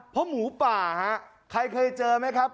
เพราะหมูป่าฮะใครเคยเจอไหมครับ